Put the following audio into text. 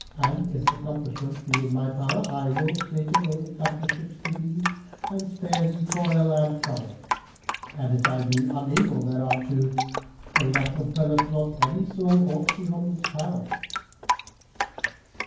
An its accomplishment be in my power I will straightway accomplish it to thee and spare thee toil and trouble; and if I be unable thereunto, Allah compelleth not any soul aught beyond its power."